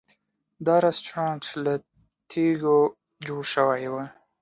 دا رسټورانټ له تیږو جوړ شوی و.